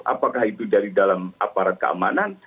apakah itu dari dalam aparat keamanan